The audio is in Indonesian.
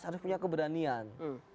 harus punya keberanian